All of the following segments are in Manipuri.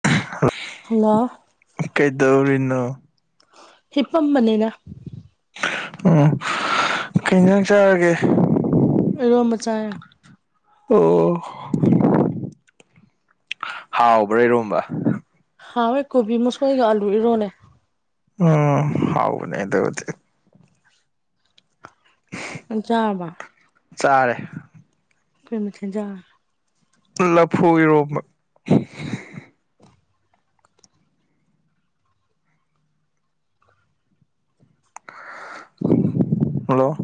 [unintelligible] ꯍꯂꯣ ꯀꯩꯗꯧꯔꯤꯅꯣ ꯍꯤꯞꯄꯝꯕꯅꯤꯅ ꯎꯝ ꯀꯩ ꯑꯦꯟꯖꯥꯡ ꯆꯥꯔꯒꯦ ꯑꯩꯔꯣꯝꯕ ꯆꯥꯔꯦ ꯑꯣ ꯍꯥꯎꯕ꯭ꯔꯥ ꯏꯔꯣꯝꯕ ꯍꯥꯎꯋꯦ ꯀꯣꯕꯤ ꯃꯁꯣꯏꯒ ꯑꯥꯂꯨ ꯏꯔꯣꯜꯂꯦ ꯎꯝ ꯍꯥꯎꯕꯅꯦ ꯑꯗꯨꯗꯤ ꯅꯪ ꯆꯥꯔꯕꯣ ꯆꯥꯔꯦ ꯀꯔꯤ ꯃꯊꯦꯜ ꯆꯥꯔꯒꯦ ꯂꯐꯨ ꯏꯔꯣꯝꯕ ꯎꯝ ꯍꯜꯂꯣ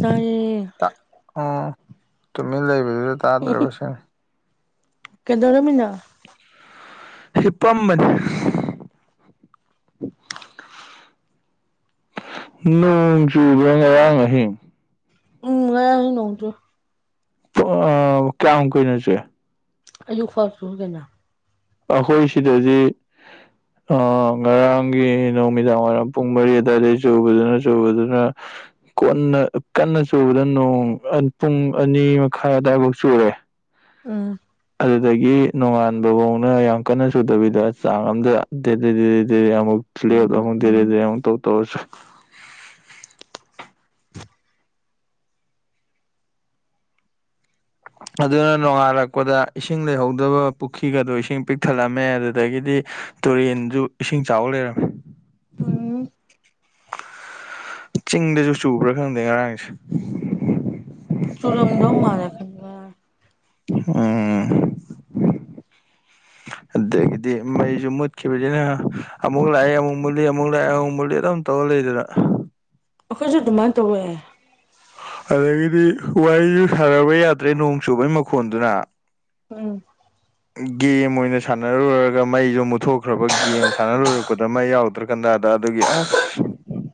ꯇꯥꯏꯔꯦ ꯇꯥ ꯑꯣ ꯇꯨꯃꯤꯟ ꯂꯩꯕꯗꯨꯗ ꯇꯥꯗ꯭ꯔꯕ ꯁꯤꯅꯤ ꯀꯩꯗꯧꯔꯃꯤꯅꯣ ꯍꯤꯞꯄꯝꯕꯅꯤ ꯅꯣꯡ ꯆꯨꯕ꯭ꯔꯥ ꯉꯔꯥꯡ ꯑꯍꯤꯡ ꯎꯝ ꯉꯔꯥꯡ ꯅꯣꯡ ꯆꯨꯏ ꯑ ꯀꯌꯥꯝ ꯀꯨꯏꯅ ꯆꯨꯏ ꯑꯌꯨꯛꯐꯥꯎ ꯆꯨꯏ ꯀꯩꯅꯣ ꯑꯩꯈꯣꯏ ꯁꯤꯗꯗꯤ ꯑ ꯉꯔꯥꯡꯒꯤ ꯅꯨꯃꯤꯗꯥꯡ ꯋꯥꯏꯔꯝ ꯄꯨꯡ ꯃꯔꯤ ꯑꯗꯨꯋꯥꯏꯗꯒꯤ ꯆꯨꯕꯗꯨꯅ ꯆꯨꯕꯗꯨꯅ ꯀꯣꯟ ꯀꯟꯅ ꯆꯨꯕꯗ ꯅꯣꯡ ꯄꯨꯡ ꯑꯅꯤ ꯃꯈꯥꯏ ꯑꯋꯥꯏꯐꯥꯎ ꯆꯨꯔꯦ ꯎꯝ ꯑꯗꯨꯗꯒꯤ ꯅꯣꯡꯉꯥꯟꯕꯐꯥꯎꯅ ꯌꯥꯝ ꯀꯟꯅ ꯁꯨꯗꯕꯤꯗ ꯆꯥꯡ ꯑꯝꯗ ꯗꯦ ꯗꯦ ꯗꯦ ꯑꯃꯨꯛ ꯂꯦꯟ ꯑꯃꯨꯛ ꯗꯦ ꯗꯦ ꯗꯦ ꯑꯃꯨꯛ ꯇꯧ ꯇꯧꯔ ꯆꯨꯏ ꯑꯗꯨꯅ ꯅꯣꯡꯉꯥꯜꯂꯛꯄꯗ ꯏꯁꯤꯡ ꯂꯩꯍꯧꯗꯕ ꯄꯨꯈ꯭ꯔꯤꯒꯗꯣ ꯏꯁꯤꯡ ꯄꯤꯛꯊꯠꯂꯝꯃꯦ ꯑꯗꯨꯗꯒꯤꯗꯤ ꯇꯨꯔꯦꯟꯁꯨ ꯏꯁꯤꯡ ꯆꯥꯎꯕ ꯂꯩꯔꯝꯃꯦ ꯎꯝ ꯆꯤꯡꯗꯁꯨ ꯆꯨꯕ꯭ꯔꯥ ꯈꯪꯗꯦ ꯉꯔꯥꯡꯁꯦ ꯆꯨꯔꯝꯗꯣ ꯃꯥꯜꯂꯦ ꯈꯪꯕ ꯎꯝ ꯑꯗꯨꯗꯒꯤꯗꯤ ꯃꯩꯁꯨ ꯃꯠꯈꯤꯕꯒꯤꯅ ꯑꯃꯨꯛ ꯂꯥꯛꯑꯦ ꯑꯃꯨꯛ ꯃꯨꯠꯂꯤ ꯑꯃꯨꯛ ꯂꯥꯛꯑꯦ ꯑꯗꯨꯝ ꯇꯧ ꯂꯩꯗꯅ ꯑꯩꯈꯣꯏꯁꯨ ꯑꯗꯨꯃꯥꯟ ꯇꯧꯋꯦ ꯑꯗꯒꯤꯗꯤ ꯋꯥꯔꯤꯁꯨ ꯁꯥꯟꯅꯕ ꯌꯥꯗ꯭ꯔꯦ ꯅꯣꯡ ꯆꯨꯕꯒꯤ ꯃꯈꯣꯟꯗꯨꯅ ꯎꯝ ꯒꯦꯝ ꯑꯣꯏꯅ ꯁꯥꯟꯅꯔꯨꯔꯒ ꯃꯩꯁꯨ ꯃꯨꯠꯊꯣꯛꯈ꯭ꯔꯕ ꯒꯦꯝ ꯁꯥꯟꯅ ꯂꯣꯏꯔꯛꯄꯗ ꯃꯩ ꯌꯥꯎꯗ ꯗ꯭ꯔꯥ ꯀꯥꯟꯗꯥꯗ ꯑꯗꯨꯒꯤ ꯑꯁ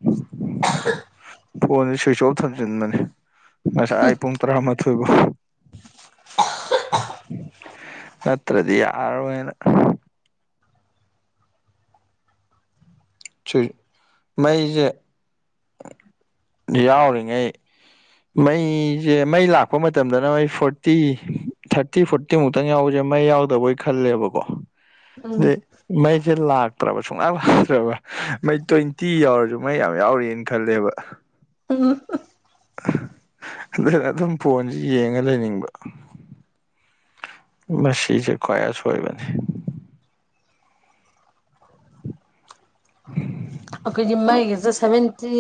[unintelligible] ꯐꯣꯟꯁꯦ ꯁ꯭ꯋꯤꯆ ꯑꯣꯐ ꯊꯝꯖꯤꯟꯕꯅꯤ ꯉꯁꯥꯏ ꯄꯨꯡ ꯇꯔꯥꯃꯥꯊꯣꯏ ꯐꯥꯎ [unintelligible] ꯅꯠꯇ꯭ꯔꯗꯤ ꯌꯥꯔꯔꯣꯏꯅ ꯃꯩꯁꯦ ꯌꯥꯎꯔꯤꯉꯩ ꯃꯩꯁꯦ ꯃꯩ ꯂꯥꯛꯄ ꯃꯇꯝꯗꯅ ꯃꯩ ꯐꯣꯔꯇꯤ ꯊꯥꯔꯇꯤ ꯐꯣꯔꯇꯤ ꯇꯤꯃꯨꯛꯇꯪ ꯌꯥꯎꯕꯁꯦ ꯃꯩ ꯌꯥꯎꯗꯕꯣꯏ ꯈꯜꯂꯦꯕꯀꯣ ꯎꯝ ꯑꯗꯩ ꯃꯩꯁꯦ ꯂꯥꯛꯇ꯭ꯔꯕ ꯁꯨꯡꯂꯥꯛ ꯂꯥꯛꯇ꯭ꯔꯕ ꯃꯩ ꯇ꯭ꯋꯦꯟꯇꯤ ꯌꯥꯎꯔꯁꯨ ꯃꯩ ꯌꯥꯝ ꯌꯥꯎꯔꯤꯅ ꯈꯜꯂꯦꯕ ꯑꯣ ꯍꯣ ꯑꯗꯨꯅ ꯑꯗꯨꯝ ꯐꯣꯟꯖꯤ ꯌꯦꯡꯉꯒ ꯂꯩꯅꯤꯡꯕ ꯃꯁꯤꯖꯨ ꯈꯋꯥꯏ ꯑꯁꯣꯏꯕꯅꯤ [inaudible] ꯑꯩꯈꯣꯏꯗꯤ ꯃꯩꯒꯤꯖꯦ ꯁꯚꯦꯟꯇꯤ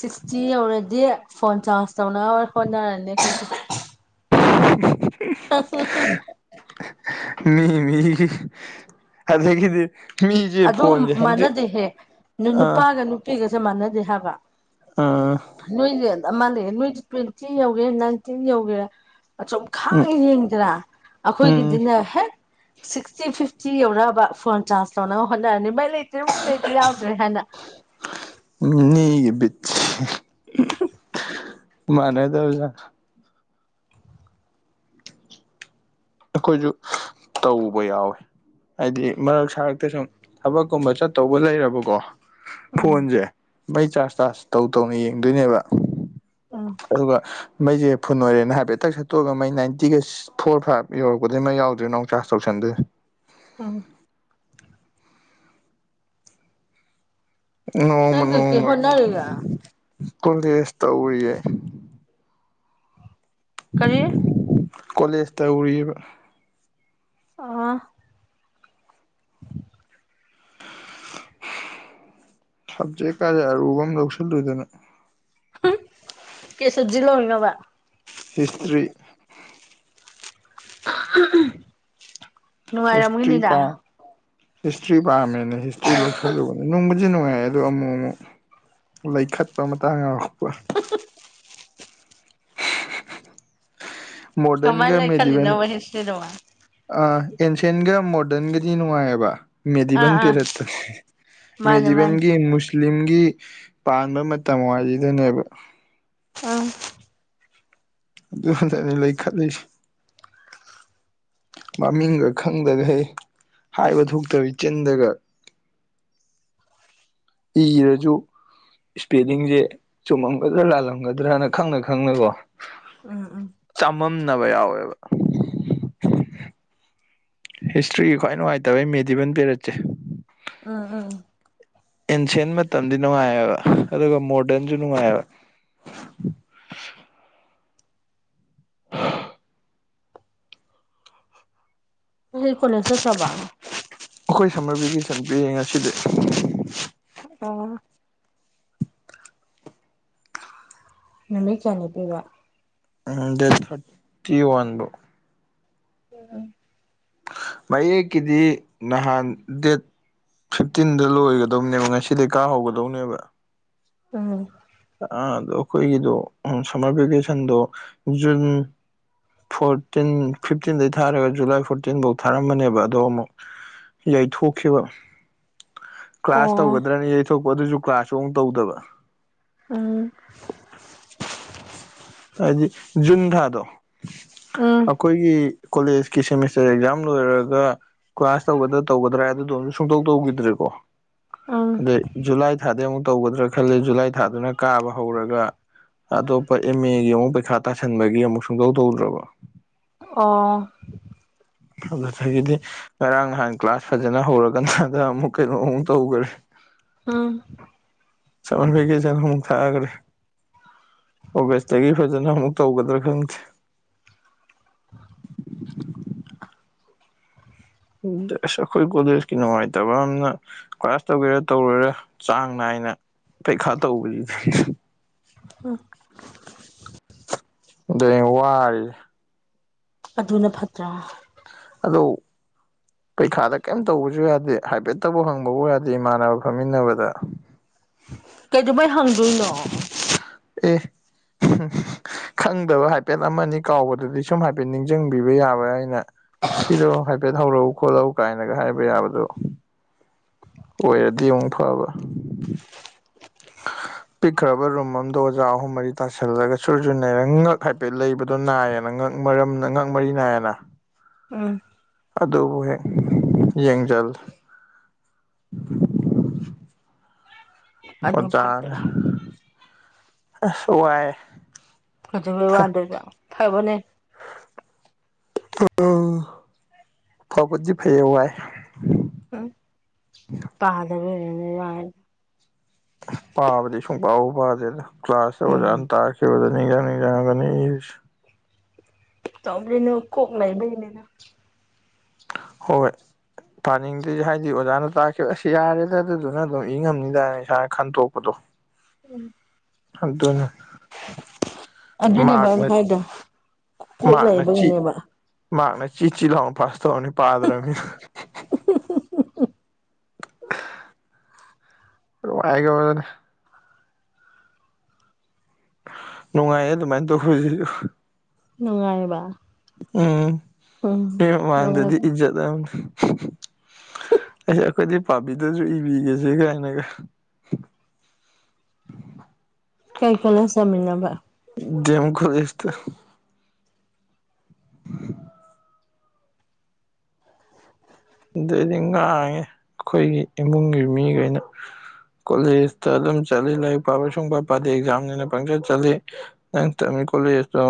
ꯁꯤꯛꯁꯇꯤ ꯌꯧꯔꯗꯤ ꯐꯣꯟ ꯆꯥꯔꯖ ꯇꯧꯅꯉꯥꯏ ꯍꯣꯠꯅꯔꯅꯤ [unintelligible] [unintelligible] ꯃꯤ ꯃꯤ ꯑꯗꯒꯤꯗꯤ ꯃꯤꯁꯦ ꯑꯗꯨ ꯐꯣꯟꯁꯦ ꯍꯟꯗ꯭ꯔꯦꯠ ꯃꯥꯟꯅꯗꯦꯍꯦ ꯑꯥ ꯅꯨꯄꯥꯒ ꯄꯤꯒꯁꯦ ꯃꯥꯟꯅꯗꯦ ꯍꯥꯏꯕ ꯑꯥ ꯅꯣꯏꯒ ꯑꯃ ꯂꯩ ꯅꯣꯏꯗꯤ ꯇ꯭ꯋꯦꯟꯇꯤ ꯌꯧꯒꯦꯔ ꯅꯥꯏꯟꯇꯤꯟ ꯌꯧꯒꯦꯔꯥ ꯑꯆꯨꯝ ꯎꯝ ꯈꯥꯡ ꯌꯦꯡꯗꯔꯥ ꯎꯝ ꯑꯩꯈꯣꯏꯒꯤꯗꯤꯅꯦ ꯍꯦꯛ ꯁꯤꯛꯁꯇꯤ ꯐꯤꯐꯇꯤ ꯌꯧꯔꯛꯑꯕ ꯐꯣꯟ ꯆ꯭ꯥꯔꯖ ꯇꯧꯅꯕ ꯍꯣꯠꯅꯔꯅꯤ ꯃꯩ ꯂꯩꯇ꯭ꯔꯦ ꯃꯩ ꯂꯩꯇꯔꯦ ꯌꯥꯎꯗ꯭ꯔꯦ ꯍꯥꯏꯅ ꯃꯤꯒꯤ ꯕꯤꯠꯁꯦ [unintelligible] ꯑꯩꯈꯣꯏꯖꯨ ꯇꯧꯕ ꯌꯥꯎꯋꯤ ꯍꯥꯏꯗꯤ ꯃꯔꯛ ꯁꯔꯛꯇ ꯁꯨꯝ ꯊꯕꯛꯀꯨꯝꯕ ꯆꯠꯇꯧꯕ ꯂꯩꯔꯕꯀꯣ ꯎꯝ ꯐꯣꯟꯖꯦ ꯃꯩ ꯆꯥꯔꯖ ꯇꯥꯔꯖ ꯇꯧ ꯇꯧꯅ ꯌꯦꯡꯗꯣꯏꯅꯦꯕ ꯎꯝ ꯑꯗꯨꯒ ꯃꯩꯖꯦ ꯐꯨꯟ ꯑꯣꯏꯔꯦꯅ ꯍꯥꯏꯐꯦꯠꯊꯛ ꯁꯠꯇꯣꯛꯑꯒ ꯃꯩ ꯅꯥꯏꯟꯇꯤꯒ ꯐꯣꯔ ꯐꯥꯏꯚ ꯌꯧꯔꯛꯄꯗꯤ ꯃꯩ ꯌꯥꯎꯗꯣꯏꯔꯦꯅ ꯑꯃꯨꯛ ꯆꯥꯔꯖ ꯇꯧꯁꯟꯗꯣꯏ ꯎꯝ ꯅꯣꯡꯃ ꯅꯪ ꯀꯩꯀꯩ ꯅꯣꯡꯃꯒꯤ ꯍꯣꯠꯅꯔꯤꯒꯦ ꯀꯣꯂꯦꯁ ꯇꯧꯔꯤꯌꯦ ꯀꯔꯤ ꯀꯂꯦꯖ ꯇꯧꯑꯔꯤꯕ ꯑꯣ ꯁꯕꯖꯦꯛꯀꯥꯗꯤ ꯑꯔꯨꯕ ꯃꯥ ꯂꯧꯁꯥꯜꯂꯨꯗꯅ ꯍꯝ ꯀꯩ ꯁꯕꯖꯦꯛ ꯂꯧꯔꯤꯅꯣꯕ ꯍꯤꯁꯇ꯭ꯔꯤ [unintelligible] ꯍꯤꯁꯇ꯭ꯔꯤ ꯅꯨꯡꯉꯥꯏꯔꯝꯒꯅꯤꯗ ꯄꯥ ꯍꯤꯁꯇ꯭ꯔꯤ ꯄꯥꯝꯃꯦꯅ ꯍꯤꯁꯇ꯭ꯔꯤ ꯂꯧꯁꯜꯂꯨꯕꯅꯦ ꯅꯨꯡꯕꯨꯗꯤ ꯅꯨꯡꯉꯥꯏ ꯑꯗꯨ ꯑꯃꯨꯛ ꯑꯃꯨꯛ ꯂꯩꯈꯠꯄ ꯃꯇꯥꯡ ꯌꯥꯎꯔꯛꯄ ꯃꯣꯗꯔꯟꯒ ꯀꯃꯥꯏꯅ ꯃꯦꯗꯤꯕꯦꯟ ꯂꯩꯈꯠꯂꯤꯅꯣꯕ ꯍꯤꯁꯇ꯭ꯔꯤꯗꯨꯕꯣ ꯑꯥ ꯑꯦꯟꯁꯦꯟꯒ ꯃꯣꯗꯔꯟꯒꯗꯤ ꯅꯨꯡꯉꯥꯏꯑꯕ ꯑꯥ ꯃꯦꯗꯤꯕꯟ ꯑꯥ ꯄꯤꯔꯠꯇ ꯃꯥꯅꯦ ꯃꯥꯅꯦ ꯃꯦꯗꯤꯕꯟꯒꯤ ꯑꯦꯝꯃꯨꯁ ꯂꯤꯤꯒꯤ ꯄꯥꯟꯕ ꯃꯇꯝ ꯋꯥꯔꯤꯗꯨꯅꯦꯕ ꯑꯥ ꯑꯗꯨꯅꯅꯤ ꯂꯩ ꯈꯠꯂꯤꯁꯤ ꯃꯃꯤꯡꯒ ꯈꯪꯗꯒꯩ ꯍꯥꯏꯕ ꯊꯣꯛꯇꯕꯤ ꯆꯤꯟꯗꯒ ꯏꯔꯖꯨ ꯏꯁꯄꯦꯂꯤꯡꯖꯦ ꯆꯨꯝꯃꯝꯒꯗ꯭ꯔꯥ ꯂꯥꯜꯂꯝꯒꯗ꯭ꯔꯅ ꯈꯪꯅ ꯈꯪꯅꯀꯣ ꯎꯝ ꯎꯝ ꯆꯃꯝꯅꯕ ꯌꯥꯎꯋꯦꯕ ꯍꯤꯁꯇ꯭ꯔꯤꯒꯤ ꯈ꯭ꯋꯥꯏ ꯅꯨꯡꯉꯥꯏꯇꯕ ꯃꯦꯗꯤꯕꯟ ꯄꯦꯔꯠꯁꯦ ꯎꯝ ꯎꯝ ꯑꯦꯟꯁꯦꯟ ꯃꯇꯝꯗꯤ ꯅꯨꯡꯉꯥꯏꯑꯕ ꯑꯗꯨꯒ ꯃꯣꯗꯔꯟꯁꯨ ꯅꯨꯡꯉꯥꯏꯑꯕ ꯉꯁꯤꯗꯤ ꯀꯣꯂꯦꯖ ꯆꯠꯇꯔꯥꯕ ꯑꯩꯈꯣꯏ ꯁꯝꯃꯔ ꯚꯦꯀꯦꯁꯟ ꯄꯤꯔꯦ ꯉꯁꯤꯗꯤ ꯑꯣ ꯅꯨꯃꯤ ꯀꯌꯥꯅꯦꯄꯤꯕ ꯎꯝ ꯗꯦꯠ ꯊꯔꯇꯤ ꯋꯥꯟ ꯃꯌꯦꯛꯀꯤꯗꯤ ꯅꯍꯥꯟ ꯗ ꯐꯤꯐꯇꯤꯟꯗ ꯂꯣꯏꯒꯗꯧꯅꯦꯕ ꯉꯁꯤꯗꯤꯩ ꯀꯥ ꯍꯧꯒꯗꯧꯅꯦꯕ ꯎꯝ ꯑ ꯑꯗꯣ ꯑꯩꯈꯣꯏꯒꯤꯗꯣ ꯁꯝꯃꯔ ꯚꯦꯀꯦꯁꯟꯗꯣ ꯖꯨꯟ ꯐꯣꯔꯇꯤꯟ ꯐꯤꯞꯇꯤꯟꯗꯩ ꯊꯥꯔꯒ ꯖꯨꯂꯥꯏ ꯐꯣꯔꯇꯤꯟꯐꯧ ꯊꯥꯔꯝꯕꯅꯦꯕ ꯑꯗꯣ ꯑꯃꯨꯛ ꯌꯥꯏꯊꯣꯛꯈꯤꯕ ꯀ꯭ꯂꯥꯁ ꯑꯣ ꯇꯧꯒꯗ꯭ꯔꯅꯤ ꯌꯩꯊꯣꯛꯄ ꯑꯗꯨꯁꯨ ꯀ꯭ꯂꯥꯁꯁꯨ ꯑꯃꯨꯛ ꯇꯧꯗꯕ ꯎꯝ ꯍꯥꯏꯗꯤ ꯖꯨꯟꯗꯥꯥꯗꯣ ꯎꯝ ꯑꯩꯈꯣꯏꯒꯤ ꯀꯣꯂꯦꯖꯀꯤ ꯁꯦꯃꯤꯁꯇꯔ ꯑꯦꯛꯖꯥꯝ ꯂꯣꯏꯔꯒ ꯀ꯭ꯂꯥꯁ ꯇꯧꯗ꯭ꯔꯥ ꯇꯒꯗ꯭ꯔꯥ ꯑꯗꯨꯗꯣꯝꯁꯨ ꯁꯨꯡꯇꯧ ꯇꯧꯈꯤꯗ꯭ꯔꯦꯀꯣ ꯎꯝ ꯑꯗꯩ ꯖꯨꯂꯥꯏ ꯊꯥꯗꯤ ꯑꯃꯨꯛ ꯇꯧꯒꯗ꯭ꯔꯥ ꯈꯂ ꯖꯨꯂꯥꯏ ꯊꯥꯗꯨꯅ ꯀꯥꯕ ꯍꯧꯔꯒ ꯑꯇꯣꯞꯄ ꯑꯦꯝ ꯑꯦꯒꯤ ꯑꯃꯨꯛ ꯄꯩꯈꯥ ꯇꯥꯁꯟꯕꯒꯤ ꯑꯃꯨꯛ ꯁꯨꯡꯇꯧ ꯇꯧꯗ꯭ꯔꯕ ꯑꯣ ꯗꯤ ꯉꯔꯥꯡ ꯅꯍꯥꯟ ꯀ꯭ꯂꯥꯁ ꯐꯖꯅ ꯍꯧꯔꯀꯥꯟꯗ ꯑꯃꯨꯛ ꯀꯩꯅꯣ ꯑꯃꯨꯛ ꯇꯧꯈꯔꯦ ꯑꯥ ꯆꯃꯟ ꯐꯩꯒꯦ ꯆꯅ ꯑꯃꯨꯛ ꯊꯥꯑꯒ꯭ꯔꯦ ꯑꯣꯒꯁꯇꯒꯤ ꯐꯖꯅ ꯑꯃꯨꯛ ꯇꯧꯒꯗ꯭ꯔꯥ ꯈꯪꯗꯦ ꯎꯁ ꯑꯩꯈꯣꯏ ꯀꯣꯗꯀꯤ ꯅꯨꯡꯉꯥꯏꯇꯕ ꯌꯥꯝꯅ ꯀ꯭ꯂ꯭ꯔꯥꯁ ꯇꯧꯒꯦꯔꯥ ꯇꯧꯔꯔ ꯆꯥꯡ ꯅꯥꯏꯅ ꯄꯩꯈꯥ ꯇꯧꯕꯁꯤꯗꯤ ꯗꯨꯏ ꯋꯥꯔꯤ ꯑꯗꯨꯅ ꯐꯠꯇ꯭ꯔꯥ ꯑꯗꯣ ꯄꯩꯈꯥꯗ ꯀꯩꯝ ꯇꯧꯕꯁꯨ ꯌꯥꯗꯦ ꯍꯥꯏꯐꯦꯠꯇꯕꯨ ꯍꯪꯕꯕꯨ ꯌꯥꯗꯦ ꯏꯃꯥꯟꯅꯕ ꯐꯝꯃꯤꯟꯅꯕꯗ ꯀꯩꯗꯧꯕꯩ ꯍꯪꯗꯣꯏꯅꯣ ꯑꯦ ꯈꯪꯗꯕ ꯍꯥꯏꯐꯦꯠ ꯑꯃꯅꯤ ꯀꯥꯎꯕꯗꯗꯤ ꯁꯨꯝ ꯍꯥꯏꯐꯦꯠ ꯅꯤꯡꯁꯤꯡꯕꯤꯕ ꯌꯥꯕ꯭ꯔꯥ ꯑꯩꯅ ꯁꯤꯗꯣ ꯍꯥꯏꯐꯦꯠ ꯍꯧꯔꯛꯎ ꯈꯣꯠꯂꯧ ꯀꯥꯏꯅꯒ ꯍꯥꯏꯕ ꯌꯥꯕꯗꯨ ꯑꯣꯏꯔꯗꯤ ꯑꯃꯨꯛ ꯐꯕ ꯄꯤꯛꯈ꯭ꯔꯕ ꯔꯨꯝ ꯑꯃꯗꯣ ꯑꯣꯖꯥ ꯑꯍꯨꯝ ꯃꯔꯤ ꯇꯁꯤꯜꯂꯒ ꯁꯨꯔ ꯁꯨ ꯅꯩꯔ ꯉꯛ ꯍꯥꯏꯐꯦꯠ ꯂꯩꯕ ꯗꯣ ꯅꯥꯏꯌꯦꯅ ꯉꯛ ꯃꯔꯝ ꯉꯛ ꯃꯔꯤ ꯅꯥꯏꯌꯦꯅ ꯎꯝ ꯑꯗꯨꯕꯨ ꯍꯦꯛ ꯌꯦꯡꯖꯜꯂꯤ ꯑꯗꯨ ꯑꯣꯖꯥꯅ ꯐꯠꯇ꯭ꯔꯥ ꯑꯁ ꯋꯥꯏ ꯀꯩꯗꯧꯕꯩ ꯋꯥꯗꯣꯏꯕ ꯐꯕꯅꯦ ꯑ [unintelligible] ꯐꯕꯗꯤ ꯐꯩꯌꯦ ꯋꯥꯏ ꯎꯝ ꯄꯥꯗꯕꯩ ꯌꯥ [unintelligible] ꯄꯥꯕꯗꯤ ꯁꯨꯡꯄꯥꯕꯨ ꯄꯥꯗꯦꯗ ꯀ꯭ꯂꯥꯁꯇ ꯎꯝ ꯑꯣꯖꯥꯥꯟ ꯇꯥꯛ ꯁꯦꯕꯗ [unintelligible] ꯅꯤꯡ [unintelligible] ꯌꯥꯥꯡꯅꯤ [unintelligible] ꯏꯔꯤꯁꯤ ꯇ [unintelligible] ꯑ [unintelligible] ꯂꯩꯅ [unintelligible] ꯀꯣꯛ ꯂꯩꯕꯩꯅꯤꯗ ꯍꯣꯏ ꯄꯥꯅꯤꯡꯗꯦ ꯍꯥꯏꯗꯤ ꯑꯣꯖꯥꯅ ꯇꯥꯛꯈꯤꯕ ꯑꯁ ꯌꯥꯔꯦꯗ ꯑꯗꯨꯗꯨꯅ ꯑꯗꯨꯝ ꯏ ꯉꯝꯅꯤꯗꯥꯅ ꯏꯁꯥꯅ ꯈꯟꯇꯣꯛꯄꯗꯣ ꯑꯗꯨꯅꯤ ꯑꯗꯨꯅꯦꯕ ꯑꯩꯅ ꯃꯥꯛꯅ ꯍꯥꯏꯗꯣ ꯀꯣꯛ ꯃꯥꯛꯅꯆꯤ ꯂꯩꯕꯒꯤꯅꯦꯕ ꯃꯥꯛꯅ ꯆꯤꯆꯤꯠ ꯂꯥꯎꯅ ꯄꯥꯁ ꯇꯧꯔꯅꯤ ꯄꯥꯗ꯭ꯔꯕꯅꯤꯅ ꯄꯥꯏꯒꯕꯅꯦ [unintelligible] ꯅꯨꯡꯉꯥꯏꯌꯦ ꯑꯗꯨꯃꯥꯏ ꯇꯧꯕꯁꯤꯁꯨ ꯅꯨꯡꯉꯥꯏꯔꯕ ꯎꯝ ꯃꯤ ꯃꯥꯡꯗꯗꯤ ꯅꯨꯡꯉꯥꯏꯕ ꯏꯖꯠ ꯑꯃꯅꯤ ꯑꯩꯁ ꯑꯩꯈꯣꯏꯗꯤ ꯄꯥꯝꯕꯤꯗꯁꯨ ꯏꯕꯤꯒꯦꯁꯦ ꯀꯥꯏꯅꯒ [inaudible] ꯀꯩ ꯀꯣꯂꯦꯖ ꯇꯝꯃꯤꯅꯣꯕ ꯗꯤ ꯑꯦꯝ ꯀꯣꯂꯦꯖꯇ ꯑꯩꯈꯣꯗꯤ ꯉꯥꯡꯉꯦ ꯑꯩꯈꯣꯏꯒꯤ ꯏꯃꯨꯡꯒꯤ ꯃꯤꯈꯩꯅ ꯀꯣꯂꯦꯖꯇ ꯑꯗꯨꯝ ꯆꯠꯂꯤ ꯂꯥꯏꯔꯤꯛ ꯄꯥꯕ ꯁꯨꯡꯄꯥ ꯄꯥꯗꯦ ꯑꯦꯛꯖꯥꯝꯅꯤꯅ ꯄꯪꯆꯠ ꯆꯠꯂꯤ ꯅꯪ ꯇꯝꯃꯤ ꯀꯣꯂꯦꯖꯇꯣ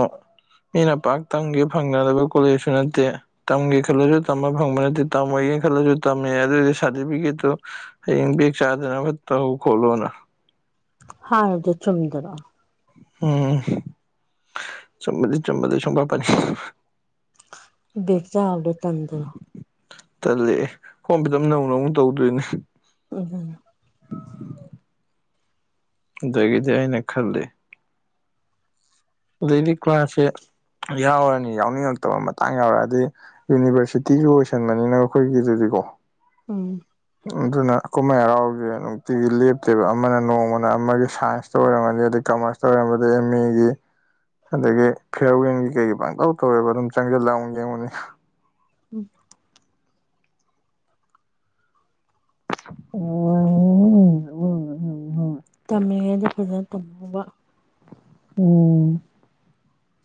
ꯃꯤꯅ ꯄꯥꯛ ꯇꯝꯒꯦ ꯐꯪꯅꯗꯕ ꯀꯣꯂꯦꯖꯁꯨ ꯅꯠꯇꯦ ꯇꯝꯒꯦ ꯈꯜꯂꯁꯨ ꯇꯝꯕ ꯐꯪꯕ ꯅꯠꯇꯦ ꯇꯝꯃꯣꯏꯒꯦ ꯈꯜꯂꯁꯨ ꯇꯝꯃꯦ ꯑꯗꯨꯗꯤ ꯁꯥꯔꯇꯤꯐꯤꯀꯦꯠꯇꯨ ꯍꯌꯦꯡ ꯕꯦꯛ ꯆꯥꯗꯅꯕ ꯇꯧ ꯈꯣꯠꯂꯣꯅ ꯍꯗꯨ ꯆꯨꯝꯗ꯭ꯔꯣ ꯎꯝ ꯆꯨꯝꯕꯗꯤ ꯆꯨꯝꯕ ꯁꯨꯡꯄꯥ ꯄꯥꯅꯤꯡ ꯕꯦꯛ ꯆꯥꯕꯗꯨ ꯇꯟꯗ꯭ꯔꯣ ꯇꯜꯂꯦ ꯐꯣꯝ ꯐꯤꯜ ꯑꯞ ꯅꯧꯅ ꯑꯃꯨꯛ ꯇꯧꯗꯣꯏꯅꯤ ꯎꯝ ꯎꯝ ꯑ [unintelligible] ꯑꯗꯒꯤꯗꯤ ꯑꯩꯅ ꯈꯜꯂꯤ ꯑꯗꯩꯗꯤ ꯀ꯭ꯂꯥꯁꯁꯦ ꯌꯥꯎꯔꯅꯤ ꯌꯥꯎꯅꯤꯡꯉꯛꯇꯕ ꯃꯇꯥꯡ ꯌꯥꯎꯔꯗꯤ ꯌꯨꯅꯤꯚꯔꯁꯤꯇꯤꯁꯨ ꯑꯣꯏꯁꯟꯕꯅꯤꯅ ꯑꯩꯈꯣꯏꯒꯤꯗꯨꯗꯤꯀꯣ ꯎꯝ ꯑꯗꯨꯅ ꯀꯨꯝꯍꯩ ꯍꯔꯥꯎꯁꯤ ꯅꯨꯡꯇꯤꯒꯤ ꯂꯦꯞꯇꯦꯕ ꯑꯃꯅ ꯅꯣꯡꯃꯅ ꯑꯃꯒꯤ ꯁꯥꯏꯟꯁ ꯑꯣꯏꯔꯝꯃꯗꯤ ꯑꯗꯩ ꯀꯃꯔꯁꯇ ꯑꯣꯏꯔꯝꯕꯗꯩ ꯑꯦꯝ ꯃꯤꯒꯤ ꯑꯗꯒꯤ ꯐꯤꯌ꯭ꯔꯋꯦꯟꯒꯤ ꯀꯩꯒꯤ ꯄꯪꯇꯧ ꯇꯧꯋꯦꯕ ꯑꯗꯨꯝ ꯆꯪꯖꯤꯜꯂꯛ ꯑꯃꯨꯛ ꯌꯦꯡꯉꯨꯅꯤ ꯎꯝ ꯑꯣ [unintelligible] ꯇꯝꯃꯤꯉꯩꯗ ꯐꯖꯅ ꯇꯝꯍꯧꯕ ꯎꯝ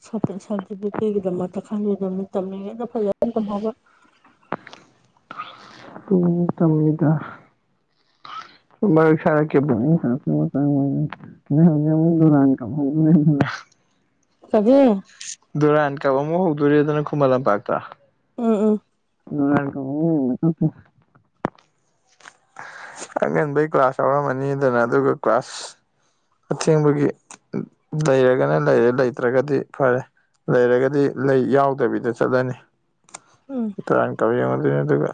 ꯁꯥꯔꯇꯤꯐꯤꯀꯦꯠꯒꯤꯗꯃꯛꯇ [unintelligible] ꯈꯜꯕꯤꯗꯕꯃꯤ [unintelligible] ꯇꯝꯂꯤꯉꯩꯗ ꯐꯖꯅ ꯇꯝꯍꯧꯕ [unintelligible] ꯇꯣꯛꯇꯝꯅꯤꯗꯥ ꯃꯔꯛ ꯁꯔꯛꯀꯤ [unintelligible] [unintelligible] ꯅꯣꯏ ꯍꯧꯖꯤꯛ ꯃꯨꯛ ꯗꯨꯔꯥꯟ ꯀꯞ ꯍꯣꯗꯧꯔꯦ ꯗꯨꯔꯥꯟ ꯀꯕꯤꯔ ꯗꯨꯔꯥꯟ ꯀꯞ ꯑꯃꯨꯛ ꯍꯧꯗꯣꯔꯦꯗꯅ ꯈꯨꯃꯟ ꯂꯝꯄꯥꯛꯇ ꯎꯝ ꯎꯝ ꯗꯨꯔꯥꯟ ꯀꯞ ꯑꯃꯨꯛ ꯌꯦꯡꯕꯥ ꯆꯠꯁꯦ ꯑꯉꯟꯕꯩ ꯀ꯭ꯂꯥꯁ ꯌꯥꯎꯔꯝꯃꯅꯤꯗꯅ ꯑꯗꯨꯒ ꯀ꯭ꯂꯥꯁ ꯑꯊꯦꯡꯕꯒꯤ ꯂꯩꯔꯒꯅ ꯂꯩꯔꯦ ꯂꯩꯇ꯭ꯔꯒꯗꯤ ꯐꯔꯦ ꯂꯩꯔꯒꯗꯤ ꯂꯩ ꯌꯥꯎꯗꯕꯤꯗ ꯆꯠꯂꯅꯤ ꯎꯝ ꯗꯨꯔꯥꯟ ꯀꯞ ꯌꯦꯡꯉꯨꯗꯣꯏꯅꯤ ꯑꯗꯨꯒ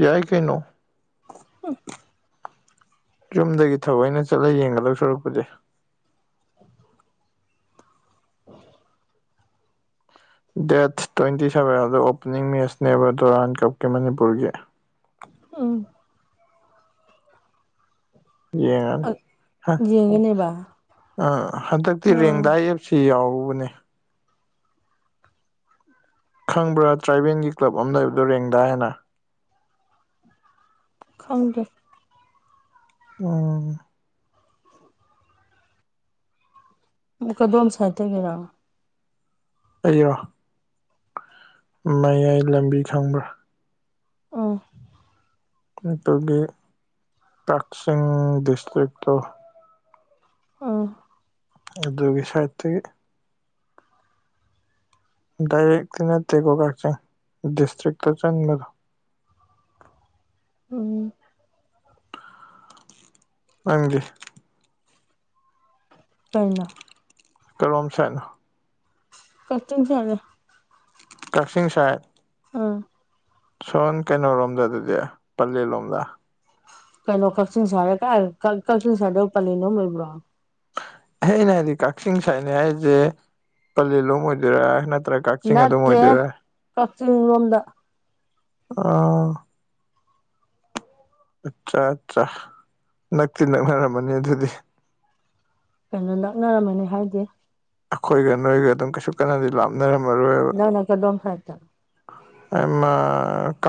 ꯌꯥꯏ ꯀꯩꯅꯣ ꯌꯨꯝꯗꯒꯤ ꯊꯑꯣꯏꯅ ꯆꯠꯂ ꯌꯦꯡꯒꯗꯧ ꯁꯔꯨꯛꯄꯨꯗꯤ ꯗꯦꯠ ꯇ꯭ꯋꯦꯟꯇꯤ ꯁꯚꯦꯜꯗ ꯑꯣꯄꯅꯤꯡ ꯃꯦꯠꯁꯅꯦꯕ ꯗꯨꯔꯥꯟ ꯀꯞꯀꯤ ꯃꯅꯤꯄꯨꯔꯒꯤ ꯎꯝ ꯌꯦꯡꯉꯅꯤ ꯎꯝ ꯌꯦꯡꯒꯅꯦꯕ ꯑ ꯍꯟꯗꯛꯇꯤ ꯑꯥ ꯔꯦꯡꯗꯥꯏ ꯁꯤ ꯌꯥꯎꯕꯅꯦ ꯈꯪꯕ꯭ꯔꯥ ꯇ꯭ꯔꯥꯏꯕꯦꯟꯒꯤ ꯀ꯭ꯂꯕ ꯑꯃ ꯂꯩꯕꯗꯣ ꯔꯦꯡꯗꯥꯏ ꯍꯥꯏꯅ ꯈꯪꯗꯦ ꯑꯣ ꯎꯝ ꯀꯗꯣꯝ ꯁꯥꯏꯠꯇꯒꯤꯔꯣ ꯑꯩꯖꯤꯔꯣ ꯃꯌꯥꯏ ꯂꯝꯕꯤ ꯈꯪꯕ꯭ꯔꯥ ꯑꯣꯥ ꯑꯗꯨꯒꯤ ꯀꯥꯛꯆꯤꯡ ꯗꯤꯁꯇ꯭ꯔꯤꯛꯇꯣ ꯑꯣ ꯑꯗꯨꯒꯤ ꯁꯥꯏꯠꯇꯒꯤ ꯗꯥꯏꯔꯦꯛꯇꯤ ꯅꯠꯇꯦꯀꯣ ꯀꯥꯛꯆꯤꯡ ꯗꯤꯁꯇ꯭ꯔꯤꯛ ꯇ ꯆꯟꯕꯗꯣ ꯎꯝ ꯅꯡꯗꯤ ꯀꯩꯅꯣ ꯀꯔꯣꯝ ꯁꯥꯏꯠꯅꯣ ꯀꯛꯆꯤꯡ ꯆꯠꯂꯦ ꯀꯥꯛꯆꯤꯡ ꯁꯥꯏꯠ ꯑꯥ ꯁꯣꯟ ꯀꯩꯅꯣꯔꯣꯝꯗ ꯑꯗꯨꯗꯤ ꯄꯂꯦꯜ ꯂꯣꯝꯗ ꯀꯩꯅꯣ ꯀꯥꯛꯆꯤꯡ ꯁꯥꯏꯠꯔ ꯀꯥꯏꯗ ꯀ ꯀꯥꯛꯆꯤꯡ ꯁꯥꯏꯠꯇꯕꯨ ꯄꯂꯦꯟꯔꯣꯝ ꯂꯩꯕ꯭ꯔꯣ ꯑꯍꯩꯅ ꯍꯥꯏꯗꯤ ꯀꯥꯛꯆꯤꯡ ꯁꯥꯏꯠꯅꯤ ꯍꯥꯏꯖꯦ ꯄꯂꯦꯜꯂꯣꯝ ꯑꯣꯏꯗꯣꯏꯔꯥ ꯅꯠꯇ꯭ꯔ ꯅꯠꯇꯦ ꯀꯥꯛꯆꯤꯡ ꯔꯣꯝꯗ ꯑ ꯑꯠꯆꯥ ꯑꯠꯆꯥ ꯅꯛꯇꯤ ꯅꯛꯅꯔꯝꯃꯅꯤ ꯑꯗꯨꯗꯤ ꯀꯩꯅꯣ ꯅꯛꯅꯔꯝꯃꯅꯤ ꯍꯥꯏꯗꯤ ꯑꯩꯈꯣꯏꯒ ꯅꯣꯏꯒ ꯑꯗꯨꯝ ꯀꯩꯁꯨ ꯀꯟꯅꯗꯤ ꯂꯥꯞꯅꯔꯝꯃꯔꯣꯏꯕ ꯅꯪꯅ ꯀꯗꯣꯝ ꯁꯥꯏꯠꯇ ꯍꯩꯃꯥ ꯀꯥꯛ